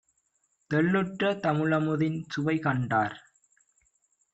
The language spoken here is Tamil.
தெள்ளுற்ற தமிழமுதின் சுவைகண்டார்